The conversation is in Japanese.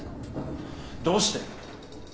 どうして？